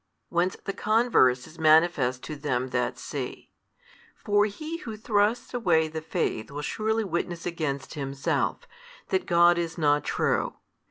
Whence the converse is manifest to them that see. For he who thrusts away the faith will surely witness against himself, that God is not true.